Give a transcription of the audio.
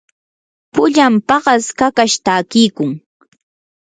pullan paqas kakash takiykun.